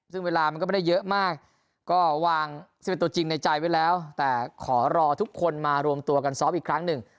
ซึ่งเวลามันก็ไม่ได้เยอะมากก็วาง๑๑ตัวจริงในใจไว้แล้วแต่ขอรอทุกคนมารวมตัวกันซ้อมอีกครั้งหนึ่ง